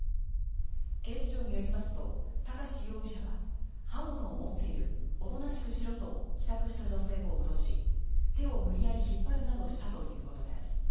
警視庁によりますと高師容疑者は刃物を持っているおとなしくしろと帰宅した女性を脅し手を無理やり引っ張るなどしたということです。